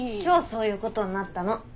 今日そういうことになったの。